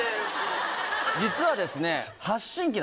実はですね。